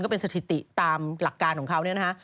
เป็นสถิติตามหลักการของเขาเนี่ยนะฮะ